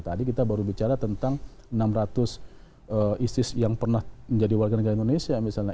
tadi kita baru bicara tentang enam ratus isis yang pernah menjadi warga negara indonesia misalnya